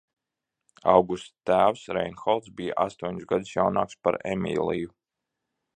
Augusta tēvs – Reinholds bija astoņus gadus jaunāks par Emīliju.